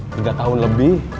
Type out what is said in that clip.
tiga tahun lebih